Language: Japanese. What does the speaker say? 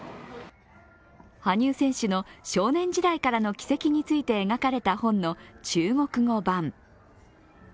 羽生選手の少年時代からの軌跡について描かれた本の中国語版。